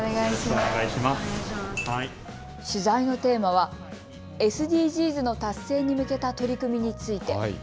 取材のテーマはＳＤＧｓの達成に向けた取り組みについて。